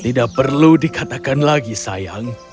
tidak perlu dikatakan lagi sayang